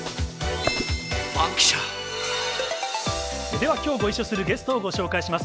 ではきょう、ご一緒するゲストをご紹介します。